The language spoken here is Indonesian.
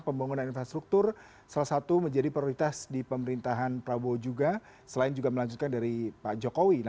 pemirsa pemerintahan prabowo gibran